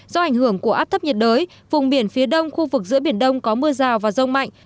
do ảnh hưởng của áp thấp nhiệt đới vùng biển phía đông khu vực giữa biển đông có mưa rào và rông mạnh